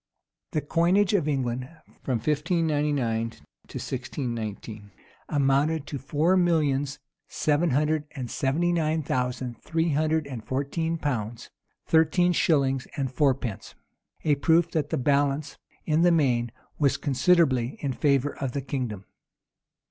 [] The coinage of England from 1599 to 1619 amounted to four millions seven hundred and seventy nine thousand three hundred and fourteen pounds thirteen shillings and fourpence:[] a proof that the balance, in the main, was considerably in favor of the kingdom.